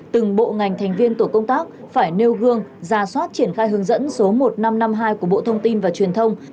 từng bộ ngành thành viên tổ công tác phải nêu gương ra soát triển khai hướng dẫn số một nghìn năm trăm năm mươi hai của bộ thông tin và truyền thông